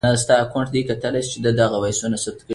د بایپولار ناروغۍ لومړۍ درجه د پي پي پي خطر زیاتوي.